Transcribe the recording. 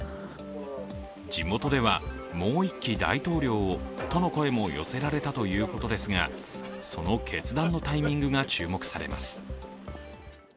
地元ではもう１期大統領をとの声も寄せられたとのことですがその決断のタイミングが注目されます。